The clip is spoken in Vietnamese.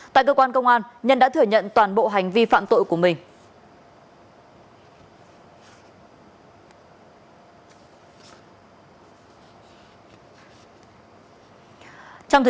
tại cơ quan công an nhân đã thừa nhận toàn bộ hành vi phạm tội của mình